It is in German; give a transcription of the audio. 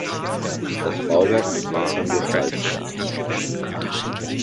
Das Bauwerk nimmt langsam Gestalt an.